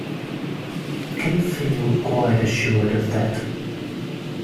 Can you feel quite assured of that?